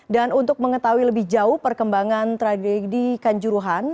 dan untuk mengetahui lebih jauh perkembangan tragedi kanjuruhan